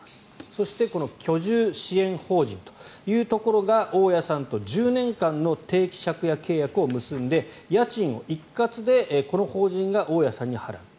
そしてこの居住支援法人というところが大家さんと１０年間の定期借家契約を結んで家賃を一括でこの法人が大家さんに払う。